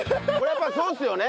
やっぱりそうですよね？